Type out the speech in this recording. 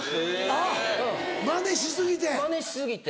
あっマネし過ぎて。